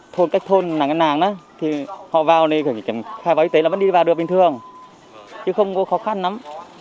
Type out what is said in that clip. thôn cách thôn làng làng á thì họ vào đi phải kiểm tra khai pháo y tế là vẫn đi vào được bình thường chứ không có khó khăn lắm